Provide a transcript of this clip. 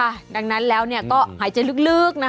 ค่ะดังนั้นแล้วเนี่ยก็หายใจลึก